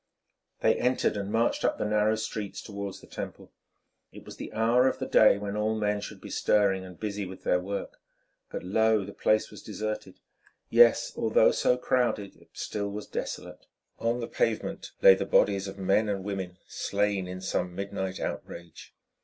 They entered and marched up the narrow streets towards the Temple. It was the hour of the day when all men should be stirring and busy with their work, but lo! the place was desolate—yes, although so crowded, it still was desolate. On the pavement lay bodies of men and women slain in some midnight outrage.